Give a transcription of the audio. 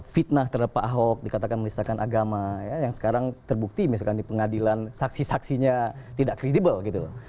fitnah terhadap pak ahok dikatakan menistakan agama yang sekarang terbukti misalkan di pengadilan saksi saksinya tidak kredibel gitu loh